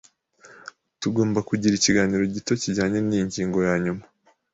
Tugomba kugira ikiganiro gito kijyanye niyi ngingo yanyuma.